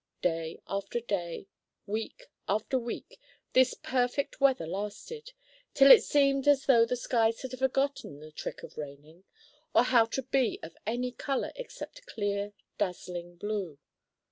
Day after day, week after week, this perfect weather lasted, till it seemed as though the skies had forgotten the trick of raining, or how to be of any color except clear, dazzling blue.